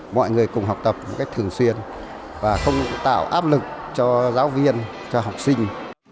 mọi người cùng học tập một cách thường xuyên và không tạo áp lực cho giáo viên cho học sinh